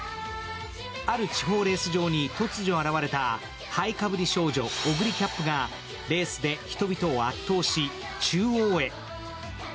ある地方レース場に突如現れた灰かぶり少女・オグリキャップがレースで人々を圧倒し中央へ。